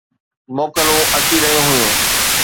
موڪلون اچي رهيون هيون.